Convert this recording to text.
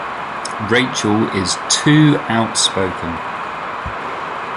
Rachel is too outspoken.